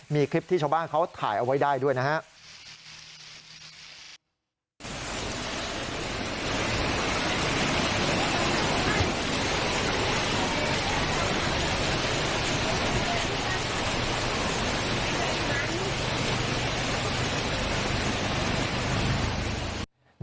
มีคลิปที่ชาวบ้านเขาถ่ายเอาไว้ได้ด้วยนะครับ